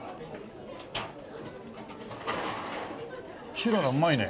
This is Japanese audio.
しららうまいね。